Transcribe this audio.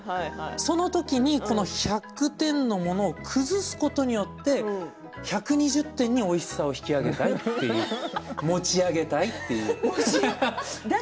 そのときに１００点のものを崩すことによって１２０点に、おいしさを引き上げたいっていう持ち上げたいっていう。